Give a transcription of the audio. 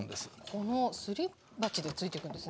このすり鉢でついていくんですね。